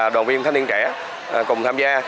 đoàn viên thanh niên trẻ cùng tham gia